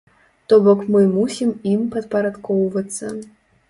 То бок мы мусім ім падпарадкоўвацца.